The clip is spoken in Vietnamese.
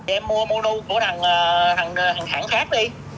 em mua mono của thằng hãng khác đi